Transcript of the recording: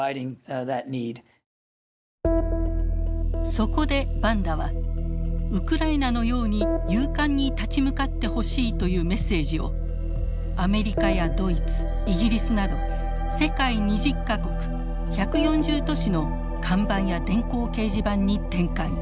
そこでバンダはウクライナのように勇敢に立ち向かってほしいというメッセージをアメリカやドイツイギリスなど世界２０か国１４０都市の看板や電光掲示板に展開。